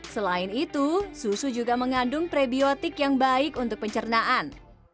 selain itu susu juga mengandung prebiotik yang baik untuk pencernaan